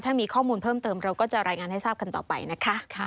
ถ้ามีข้อมูลเพิ่มเติมเราก็จะรายงานให้ทราบกันต่อไปนะคะ